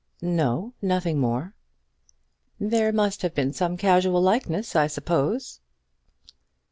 "No; nothing more." "There must have been some casual likeness I suppose."